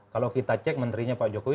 kalau kita cek menterinya pak jokowi